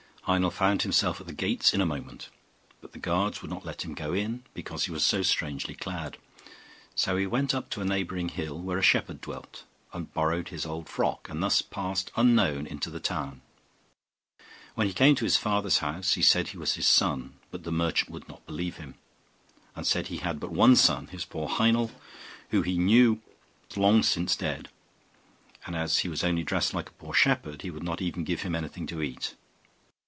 Heinel found himself at the gates in a moment; but the guards would not let him go in, because he was so strangely clad. So he went up to a neighbouring hill, where a shepherd dwelt, and borrowed his old frock, and thus passed unknown into the town. When he came to his father's house, he said he was his son; but the merchant would not believe him, and said he had had but one son, his poor Heinel, who he knew was long since dead: and as he was only dressed like a poor shepherd, he would not even give him anything to eat.